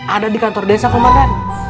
ada di kantor desa komandan